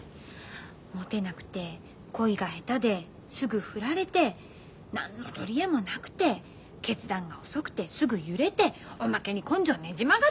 もてなくて恋が下手ですぐ振られて何の取り柄もなくて決断が遅くてすぐ揺れておまけに根性ねじ曲がって。